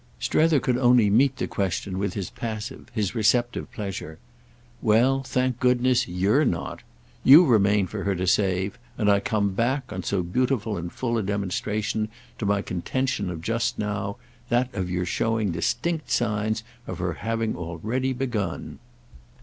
Strether could only meet the question with his passive, his receptive pleasure. "Well, thank goodness, you're not! You remain for her to save, and I come back, on so beautiful and full a demonstration, to my contention of just now—that of your showing distinct signs of her having already begun."